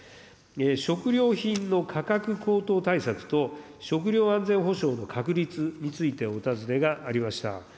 食料品の価格高騰対策と食料安全保障の確立についてお尋ねがありました。